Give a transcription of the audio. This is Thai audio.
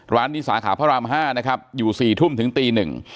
ร้านนี้สาขาพระราม๕นะครับอยู่๔ทุ่มถึงตี๑